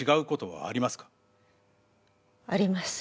あります。